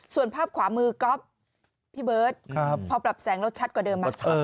ส่วนภาพขวามือก๊อฟพี่เบิร์ตพอปรับแสงแล้วชัดกว่าเดิมมา